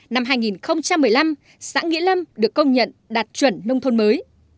năm hai nghìn một mươi năm xã nghĩa lâm được công nhận đạt chuẩn nông thôn mới